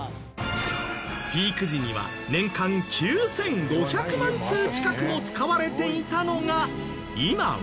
ピーク時には年間９５００万通近くも使われていたのが今は。